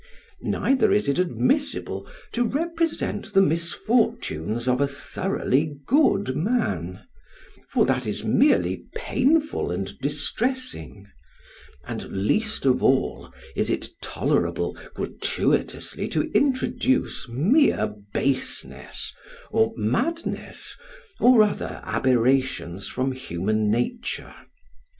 Neither is it admissible to represent the misfortunes of a thoroughly good man, for that is merely painful and distressing; and least of all is it tolerable gratuitously to introduce mere baseness, or madness, or other aberrations from human nature.